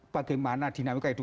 bagaimana dinamika hidup